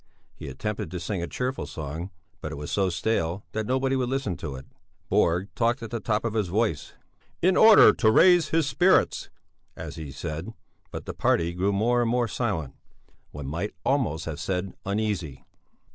He attempted to sing a cheerful song, but it was so stale that nobody would listen to it. Borg talked at the top of his voice, "in order to raise his spirits," as he said, but the party grew more and more silent, one might almost have said uneasy.